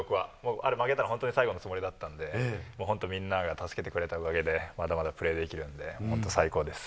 あれ負けたら本当に最後のつもりだったんで、本当みんなが助けてくれたおかげで、まだまだプレーできるんで、本当最高です。